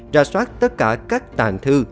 rà soát tất cả các tàng thư